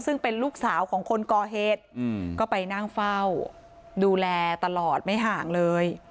ซึ่งเป็นลูกสาวของคนก่อเหตุก็ไปนั่งเฝ้าดูแลตลอดไม่ห่างเลย